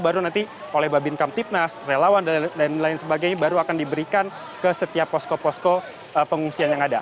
baru nanti oleh babin kamtipnas relawan dan lain sebagainya baru akan diberikan ke setiap posko posko pengungsian yang ada